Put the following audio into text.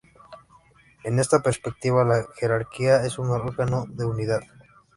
En esta perspectiva, la jerarquía es un órgano de unidad.